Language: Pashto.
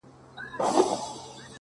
• دا زه څومره بېخبره وم له خدایه,